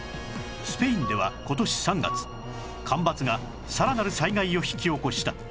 スペインでは今年３月干ばつがさらなる災害を引き起こした